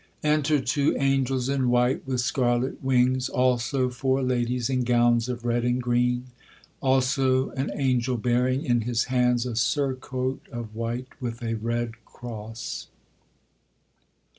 _Enter Two Angels in white, with scarlet wings; also, Four Ladies in gowns of red and green; also an Angel, bearing in his hands a surcoat of white, with a red cross.